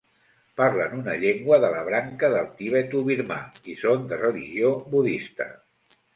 Parlen una llengua de la branca del tibetobirmà i són de religió budista.